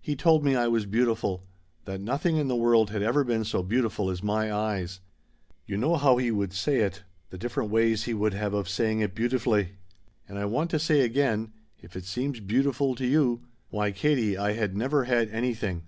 He told me I was beautiful that nothing in the world had ever been so beautiful as my eyes. You know how he would say it, the different ways he would have of saying it beautifully. And I want to say again if it seems beautiful to you Why, Katie, I had never had anything.